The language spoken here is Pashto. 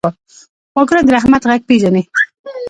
غوږونه د رحمت غږ پېژني